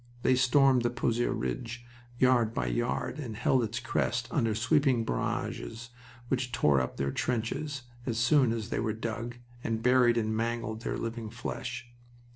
They stormed the Pozieres ridge yard by yard, and held its crest under sweeping barrages which tore up their trenches as soon as they were dug and buried and mangled their living flesh.